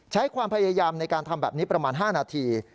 ใช้ความพยายามในการทำแบบนี้ประมาณ๕นาที